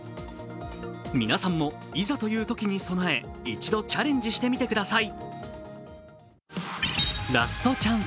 皆さんもいざというときに備え一度チャレンジしてみてください。